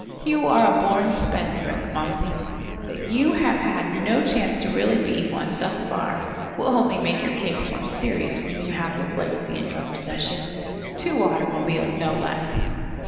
"You are a born spendthrift, Momsey. That you have had no chance to really be one thus far will only make your case more serious when you have this legacy in your possession. Two automobiles, no less!"